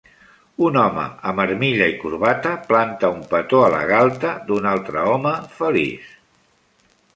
Un home amb armilla i corbata planta un petó a la galta d'un altre home feliç.